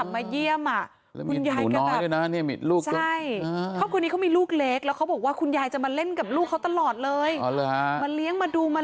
มาเลี้ยงมาดูมาเล่นด้วยค่ะนี่ไปหา